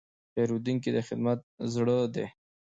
پیرودونکی د خدمت زړه دی.